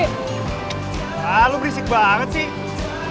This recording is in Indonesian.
ah lo berisik banget sih